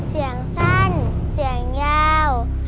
เสียงสั้นเสียงยาว